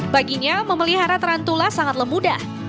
baginya memelihara tarantula sangat lemudah